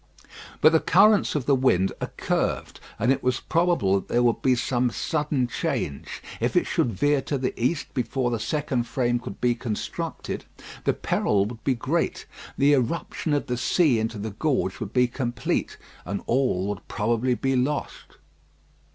But the currents of the wind are curved, and it was probable that there would be some sudden change. If it should veer to the east before the second frame could be constructed the peril would be great. The irruption of the sea into the gorge would be complete, and all would probably be lost.